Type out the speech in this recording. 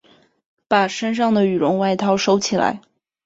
把身上穿的羽绒外套收起来